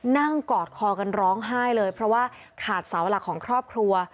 กอดคอกันร้องไห้เลยเพราะว่าขาดเสาหลักของครอบครัว